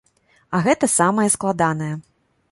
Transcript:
А гэта самае складанае.